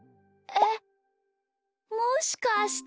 えっもしかして。